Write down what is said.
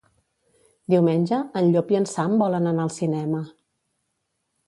Diumenge en Llop i en Sam volen anar al cinema.